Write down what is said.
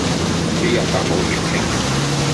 輸入法冇粵拼